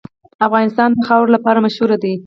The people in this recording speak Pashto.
افغانستان د خاوره لپاره مشهور دی.